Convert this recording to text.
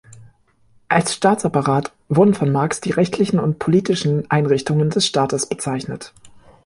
Als Staatsapparat wurden von Marx die rechtlichen und politischen Einrichtungen des Staates bezeichnet.